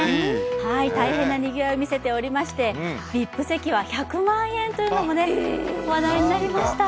大変なにぎわいを見せておりましてＶＩＰ席は１００万円というのも話題になりました。